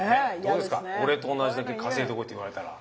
「俺とおなじだけ稼いでこい！」って言われたら。